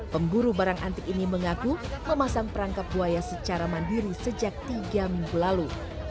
pemburu barang antik ini mengaku memasang perangkap buaya secara mandiri sejak tiga minggu lalu